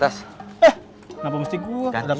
yang apa mestiku